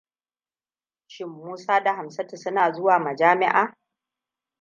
Shin Musa da Hamsatu suna zuwa majami'a?